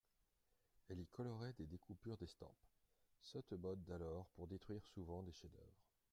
Elle y colorait des découpures d'estampes (sotte mode d'alors pour détruire souvent des chefs-d'oeuvre).